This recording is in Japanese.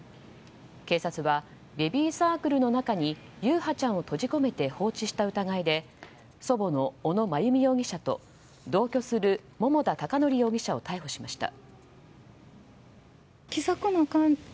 警察はベビーサークルの中に優陽ちゃんを閉じ込めて放置した疑いで祖母の小野真由美容疑者と同居する桃田貴徳容疑者を逮捕しました。